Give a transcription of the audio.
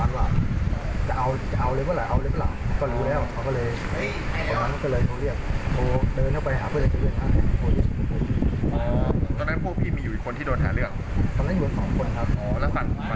อ๋อรัฟฝั่งก็ที่มาหาเรื่อง